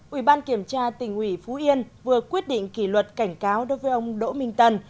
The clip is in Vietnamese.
ủy ban kiểm tra tỉnh ủy phú yên vừa quyết định kỷ luật cảnh cáo đối với ông đỗ minh tân